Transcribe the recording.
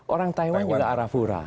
orang taiwan juga arafura